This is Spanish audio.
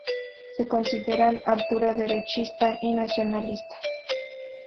Se consideran ultra derechistas y nacionalistas.